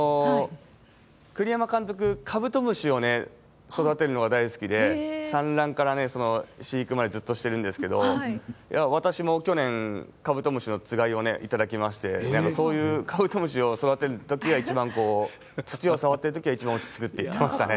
栗山監督、カブトムシを育てるのが大好きで、産卵から飼育までずっとしてるんですけど、私も去年、カブトムシのつがいを頂きまして、そういう、カブトムシを育てるときが一番、土を触ってるときが一番落ち着くって言ってましたね。